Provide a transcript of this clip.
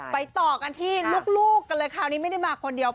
ต่อกันที่ลูกกันเลยคราวนี้ไม่ได้มาคนเดียว